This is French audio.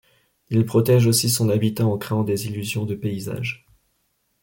Il protège aussi son habitat en créant des illusions de paysages.